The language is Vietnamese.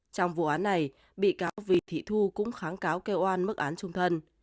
trong vụ án này bị cáo vì thị thu cũng kháng cáo kêu oan mức án trung thân